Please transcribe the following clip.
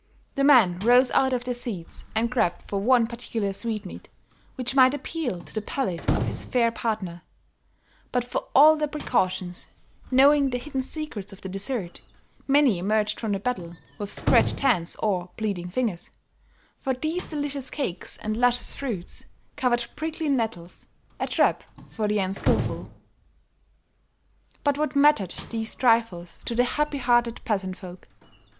The men rose out of their seats and grabbed for one particular sweetmeat, which might appeal to the palate of his fair partner; but for all their precautions, knowing the hidden secrets of the dessert, many emerged from the battle with scratched hands or bleeding fingers, for these delicious cakes and luscious fruits covered prickly nettles, a trap for the unskilful. But what mattered these trifles to the happy hearted peasant folk.